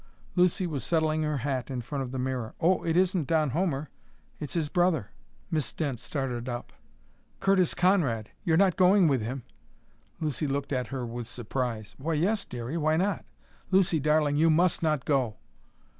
Lucy was settling her hat in front of the mirror. "Oh, it isn't Don Homer! It's his brother." Miss Dent started up. "Curtis Conrad! You're not going with him!" Lucy looked at her with surprise. "Why, yes, Dearie. Why not?" "Lucy, darling! You must not go!"